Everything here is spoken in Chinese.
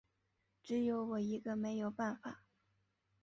只有我一个没有办法